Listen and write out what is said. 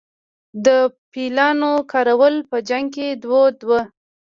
د فیلانو کارول په جنګ کې دود و